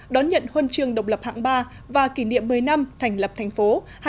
đón nhận huân trường độc lập hạng ba và kỷ niệm một mươi năm thành lập thành phố hai nghìn tám hai nghìn một mươi tám